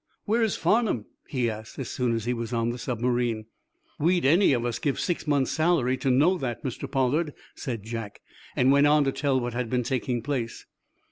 "Where's Farnum?" he asked as soon as he was on the submarine. "We'd, any of us, give six months' salary to know that, Mr. Pollard," said Jack, and went on to tell what had been taking place.